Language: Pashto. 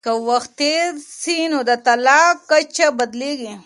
که وخت تېر سي نو د طلاق کچه بدلیږي.